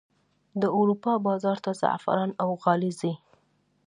د اروپا بازار ته زعفران او غالۍ ځي